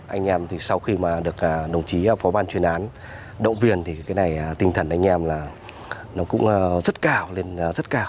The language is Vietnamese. anh em thì sau khi mà được đồng chí phó ban chuyên án động viên thì cái này tinh thần anh em là nó cũng rất cao lên rất cao